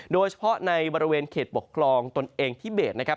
โดยเฉพาะในบริเวณเขตปกครองตนเองพิเบศนะครับ